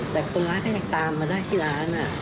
แต่คนร้ายก็ยังตามมาได้ที่ร้าน